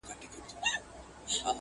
تا پر سرو شونډو پلمې راته اوډلای!!